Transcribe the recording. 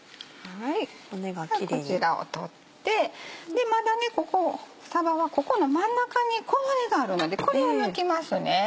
こちらを取ってでまだここさばはここの真ん中に小骨があるのでこれを抜きますね。